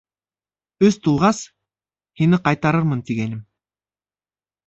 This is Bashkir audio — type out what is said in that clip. Өс тулғас, һине ҡайтарырмын тигәйнем.